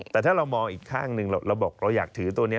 แต่ถ้าเรามองอีกข้างหนึ่งเราบอกเราอยากถือตัวนี้